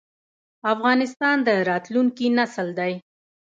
افغانستان د راتلونکي نسل دی